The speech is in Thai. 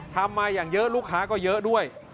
ทำมาอย่างเยอะลูกค้าก็เยอะด้วย